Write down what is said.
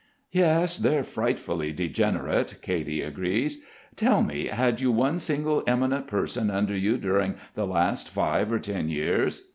"Yes, they're frightfully degenerate," Katy agrees. "Tell me, had you one single eminent person under you during the last five or ten years?"